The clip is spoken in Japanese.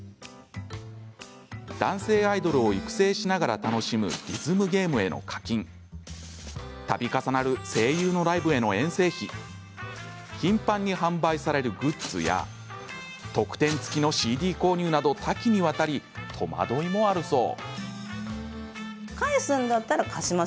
男性アイドルを育成しながら楽しむリズムゲームへの課金たび重なる声優のライブへの遠征費頻繁に販売されるグッズや特典付きのＣＤ購入など多岐にわたり、戸惑いもあるそう。